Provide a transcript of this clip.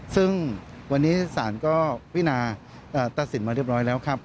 ซึ่งวันนี้ศาลก็พินาตัดสินมาเรียบร้อยแล้วครับ